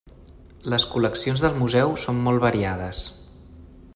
Les col·leccions del museu són molt variades.